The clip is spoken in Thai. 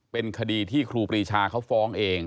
เป็นคดีที่ครูปรีชาเขาฟ้องเอง